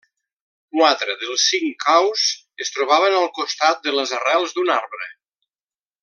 Quatre dels cinc caus es trobaven al costat de les arrels d'un arbre.